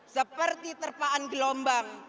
seperti terpaan gelombang